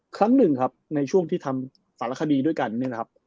ครั้งหนึ่งครับในช่วงที่ทำสารคดีด้วยกันเนี่ยนะครับ